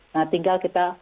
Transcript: nah tinggal kita